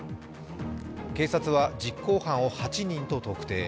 警察は実行犯を８人と特定。